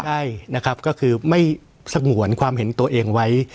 ใช่นะครับก็คือไม่สงวนความเห็นตัวเองไว้